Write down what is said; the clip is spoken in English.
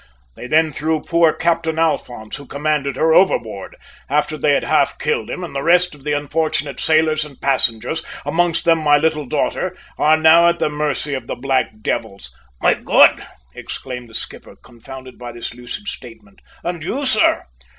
They then threw poor Captain Alphonse, who commanded her, overboard, after they had half killed him, and the rest of the unfortunate sailors and passengers, amongst them my little daughter, are now at the mercy of the black devils!" "My God!" exclaimed the skipper, confounded by this lucid statement. "And you, sir?"